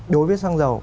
đối với xăng dầu